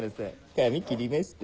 髪切りました？